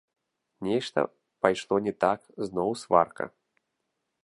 Нешта пайшло не так, зноў сварка.